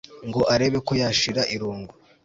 ngo arebe ko yashira irungu